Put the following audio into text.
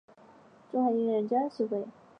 中华音乐人交流协会